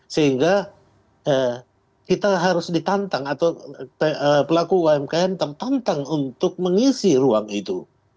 sehingga kita harus ditantang atau pelaku umkm tertentang untuk mengisi ruang itu